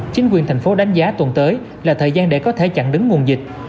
chính quyền thành phố đánh giá tuần tới là thời gian để có thể chặn đứng nguồn dịch